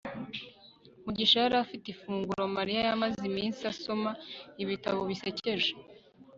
mugisha yari afite ifunguro mariya yamaze umunsi asoma ibitabo bisekeje